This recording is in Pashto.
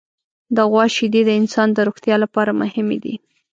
د غوا شیدې د انسان د روغتیا لپاره مهمې دي.